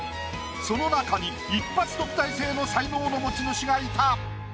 その中に１発特待生の才能の持ち主がいた。